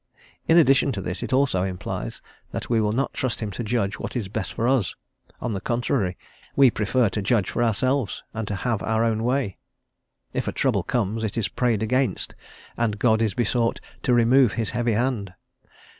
In addition to this, it also implies that we will not trust him to judge what is best for us; on the contrary, we prefer to judge for ourselves, and to have our own way. If a trouble comes, it is prayed against, and God is besought "to remove his heavy hand."